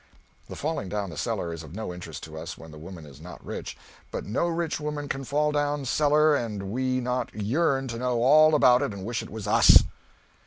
The falling down the cellar is of no interest to us when the woman is not rich, but no rich woman can fall down cellar and we not yearn to know all about it and wish it was us.